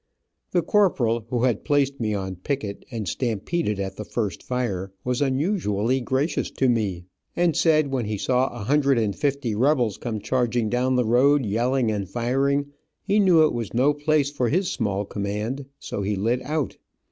The corporal who had placed me on picket, and stampeded at the first fire, was unusually gracious to me, and said when he saw a hundred and fifty rebels come charging down the road, yelling and firing, he knew it was no place for his small command, so he lit out.